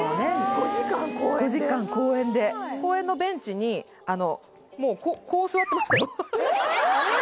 ５時間公園で公園のベンチにもうこう座ってましたよえっ！？